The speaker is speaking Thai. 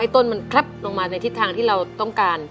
ต้นมันคลับลงมาในทิศทางที่เราต้องการ